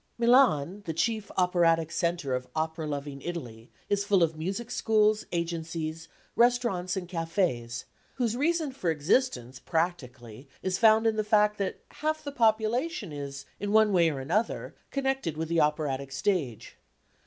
Milan, the chief operatic centre of opera loving Italy, is full of music schools, agencies, restaurants and cafés, whose reason for existence, practically, is found in the fact that half the population is in one way or another connected with the operatic stage.